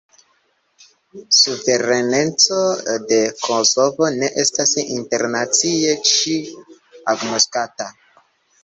Suvereneco de Kosovo ne estas internacie ĉie agnoskata.